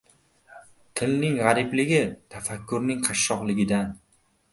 Tilning g‘aribligi — tafakkurning qashshoqligidan.